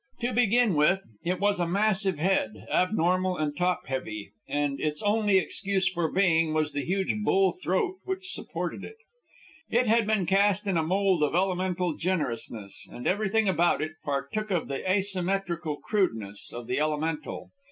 To begin with, it was a massive head, abnormal and top heavy, and its only excuse for being was the huge bull throat which supported it. It had been cast in a mould of elemental generousness, and everything about it partook of the asymmetrical crudeness of the elemental.